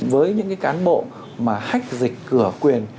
với những cái cán bộ mà hách dịch cửa quyền